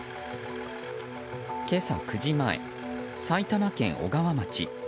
今朝９時前、埼玉県小川町。